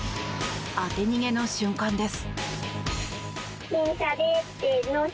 当て逃げの瞬間です。